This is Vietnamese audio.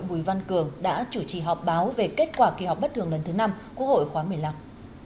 bùi văn cường đã chủ trì họp báo về kết quả kỳ họp bất thường lần thứ năm quốc hội khóa một mươi năm